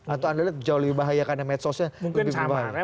atau anda lihat jauh lebih bahaya karena medsosnya lebih berbahaya